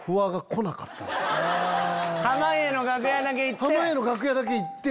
濱家の楽屋だけ行って。